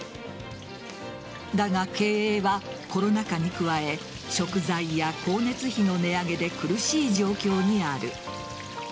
だが、経営はコロナ禍に加え食材や光熱費の値上げで苦しい状況にある。